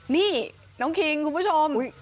นี่น้องคิงคุณผู้ชม